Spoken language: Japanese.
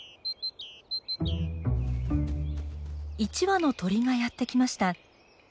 １羽の鳥がやって来ました。